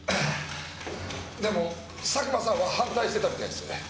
でも佐久間さんは反対してたみたいです。